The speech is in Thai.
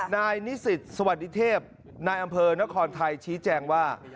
นายนิสิตสวัสดีเทพนายอำเภอนครไทยชี้แจงว่า